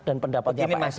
dan pendapatnya pak ryo